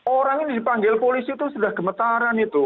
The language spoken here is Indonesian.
orang ini dipanggil polisi itu sudah gemetaran itu